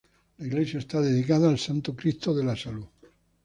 La iglesia está dedicada al Santo Cristo de la Salud.